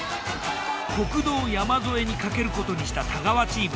国道山添に賭けることにした太川チーム。